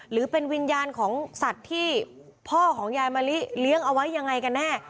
หรือเป็นวิญญาณของสัตว์ที่พ่อของยายมะลิเลี้ยงเอาไว้ยังไงกันแน่